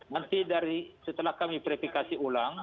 nanti setelah kami verifikasi ulang